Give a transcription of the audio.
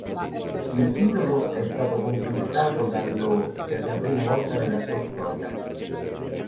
Il titolo è stato conquistato dallo per la prima volta nella sua storia.